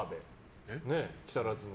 木更津の。